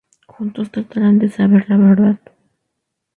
Juntos tratarán de saber la verdad.